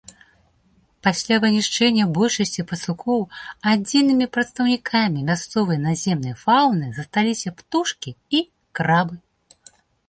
Пасля вынішчэння большасці пацукоў адзінымі прадстаўнікамі мясцовай наземнай фаўны засталіся птушкі і крабы.